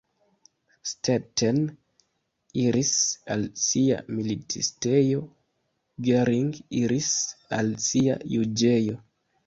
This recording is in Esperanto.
Stetten iris al sia militistejo, Gering iris al sia juĝejo.